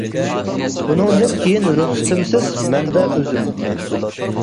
بۇنىڭدىن كېيىن رۇخسىتىمسىز. . مەنبە: ئۆزۈم.